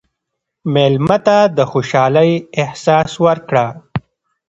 مېلمه ته د خوشحالۍ احساس ورکړه.